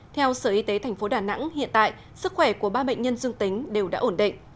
theo sở y tế tp đà nẵng hiện tại sức khỏe của ba bệnh nhân dương tính đều đã ổn định